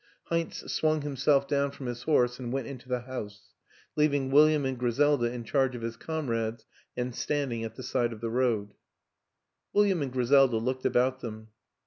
WILLIAM AN ENGLISHMAN 97 Heinz swung himself down from his horse and went into the house, leaving William and Griselda in charge of his comrades and standing at the side of the road. William and Griselda looked about them.